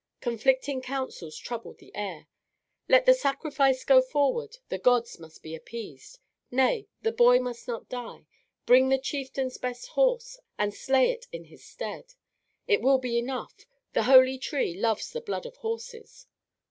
Conflicting counsels troubled the air. Let the sacrifice go forward; the gods must be appeased. Nay, the boy must not die; bring the chieftain's best horse and slay it in his stead; it will be enough; the holy tree loves the blood of horses.